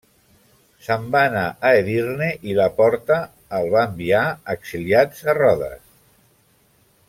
Se'n va anar a Edirne i la Porta el va enviar exiliat a Rodes.